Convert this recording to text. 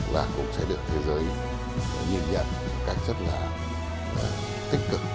và cũng sẽ được thế giới nhìn nhận một cách rất là tích cực